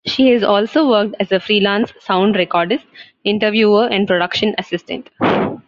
She has also worked as a freelance sound recordist, interviewer and production assistant.